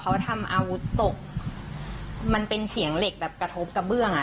เขาทำอาวุธตกมันเป็นเสียงเหล็กแบบกระทบกระเบื้องอ่ะ